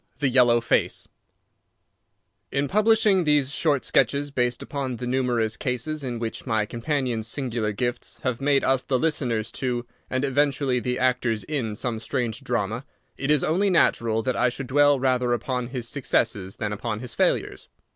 The Yellow Face In publishing these short sketches based upon the numerous cases in which my companion's singular gifts have made us the listeners to, and eventually the actors in, some strange drama, it is only natural that I should dwell rather upon his successes than upon his failures.